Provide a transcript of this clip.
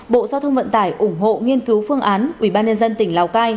bộ giao thông vận tải ủng hộ nghiên cứu phương án ubnd tỉnh lào cai